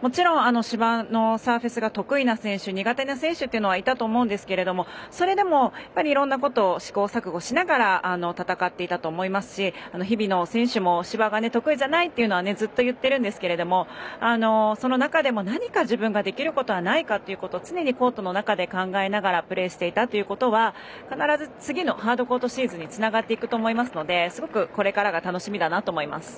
もちろん、芝のサーフェスが得意な選手、苦手な選手はいたと思うんですけれどもそれでも、いろんなことを試行錯誤しながら戦っていたと思いますし日比野選手も芝が得意じゃないというのはずっと言ってるんですけれどもその中でも、何か自分ができることはないかということを常にコートの中で考えながらプレーしていたということは、次のハードコートシーズンにつながっていくと思いますのですごく、これからが楽しみだなと思います。